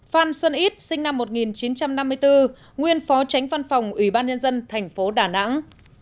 hai phan xuân ít sinh năm một nghìn chín trăm năm mươi bốn nguyên phó tránh văn phòng ủy ban nhân dân thành phố đà nẵng